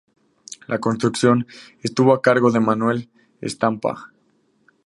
La construcción estuvo a cargo de Manuel Stampa.